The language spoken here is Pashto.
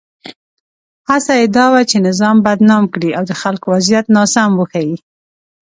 هڅه یې دا وه چې نظام بدنام کړي او د خلکو وضعیت ناسم وښيي.